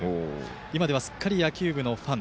今ではすっかり野球部のファン。